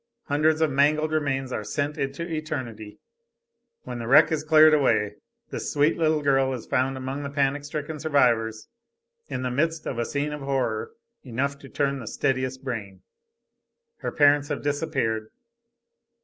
Hundreds of mangled remains are sent into eternity. When the wreck is cleared away this sweet little girl is found among the panic stricken survivors in the midst of a scene of horror enough to turn the steadiest brain. Her parents have disappeared.